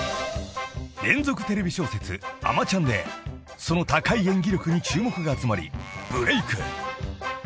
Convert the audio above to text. ［連続テレビ小説『あまちゃん』でその高い演技力に注目が集まりブレーク］